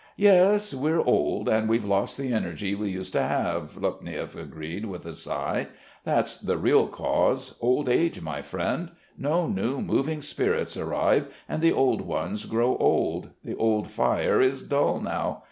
"Yes, we're old, and we've lost the energy we used to have," Lopniev agreed with a sigh. "That's the real cause. Old age, my friend. No new moving spirits arrive, and the old ones grow old.... The old fire is dull now.